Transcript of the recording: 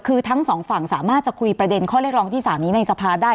คือทั้งสองฝั่งสามารถจะคุยประเด็นข้อเรียกร้องที่๓นี้ในสภาได้